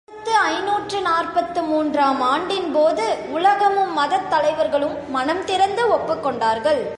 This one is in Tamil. ஓர் ஆயிரத்து ஐநூற்று நாற்பத்து மூன்று ஆம் ஆண்டின் போது, உலகமும், மதத்தலைவர்களும் மனம் திறந்து ஒப்புக் கொண்டார்கள்.